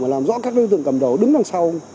làm rõ các đối tượng cầm đầu đứng đằng sau